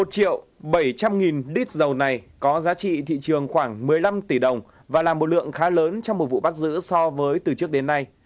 một triệu bảy trăm linh lít dầu này có giá trị thị trường khoảng một mươi năm tỷ đồng và là một lượng khá lớn trong một vụ bắt giữ so với từ trước đến nay